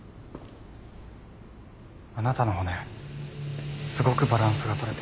あなたの骨すごくバランスが取れている。